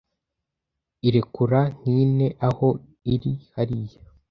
Irekura nk'ine aho iri hariya,